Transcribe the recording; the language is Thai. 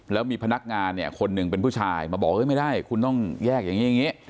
แล้วมีพนักงานคนหนึ่งเป็นผู้ชายมาบอกว่าไม่ได้คุณต้องแยกอย่างนี้